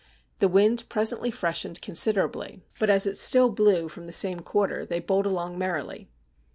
The wind presently freshened considerably, but as it still blew from the same quarter they bowled along merrily.